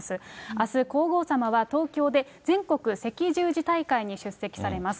あす、皇后さまは東京で全国赤十字大会に出席されます。